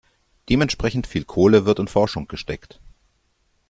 Dementsprechend viel Kohle wird in Forschung gesteckt.